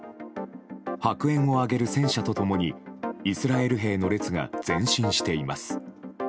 白煙を上げる戦車と共にイスラエル兵の列が前進しています。